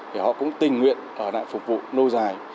thì họ cũng tình nguyện ở lại phục vụ nâu dài